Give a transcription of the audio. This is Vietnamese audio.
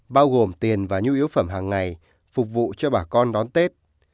bao gồm tiền và nhu yếu phẩm hàng ngày phục vụ cho bà con đón tết